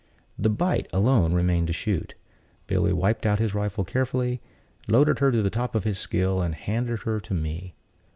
The Bite alone remained to shoot. Billy wiped out his rifle carefully, loaded her to the top of his skill, and handed her to me.